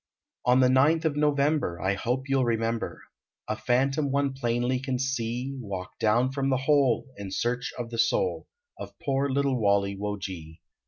JOSEPH On the ninth of November I hope you ll rememlxir, A phantom one plainly can r,ee Walk down from the hole. In search of the soul Of poor little Walle wo ge.